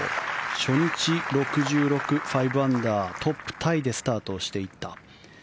初日６６、５アンダートップタイでスタートしていった。